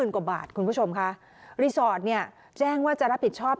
กว่าบาทคุณผู้ชมค่ะรีสอร์ทเนี่ยแจ้งว่าจะรับผิดชอบ